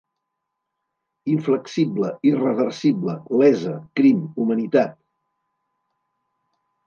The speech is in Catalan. Inflexible, irreversible, lesa, crim, humanitat...